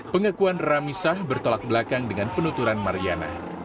pengakuan ramisah bertolak belakang dengan penuturan mariana